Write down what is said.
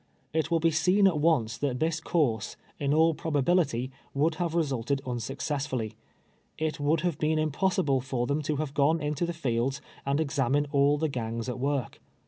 It Avill he seen at once that tliis course, in all proh ahility, would have resulted unsuccessfully. It would have been impossible fur them to have gone into tlie fields and examine all the gangs at v.'ork.